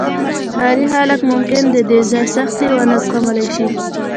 ښاري خلک ممکن د دې ځای سختۍ ونه زغملی شي